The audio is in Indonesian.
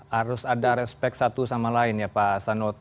harus ada respect satu sama lain ya pak sanot